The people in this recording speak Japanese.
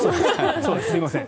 すみません。